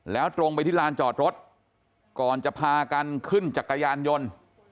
แล้วตรงไปที่ลานจอดรถก่อนจะพากันขึ้นจักรยานยนต์